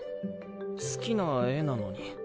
好きな絵なのに。